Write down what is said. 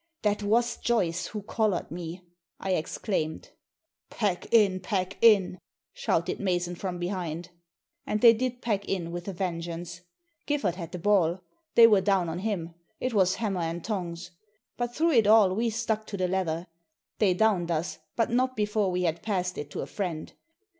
" That was Joyce who collared me !" I exclaimed. '* Pack in ! pack in !" shouted Mason from bcliind. And they did pack in with a vengeance. Giffard had the ball. They were down on him; it was hammer and tongs. But through it all we stuck to the leather. They downed us, but not before we had passed it to a friend.